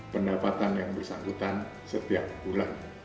pendapatan yang bersangkutan setiap bulan